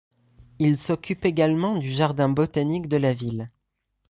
Il s’occupe également du jardin botanique de la ville.